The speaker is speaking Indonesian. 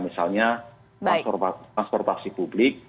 misalnya transportasi publik